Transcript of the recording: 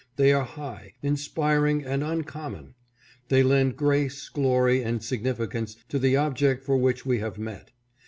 They are high, inspiring, and uncommon. They lend grace, glory, and significance to the object for which we have met.